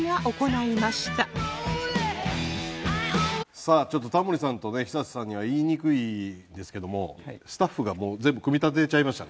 さあちょっとタモリさんとねＨＩＳＡＳＨＩさんには言いにくいですけどもスタッフがもう全部組み立てちゃいました。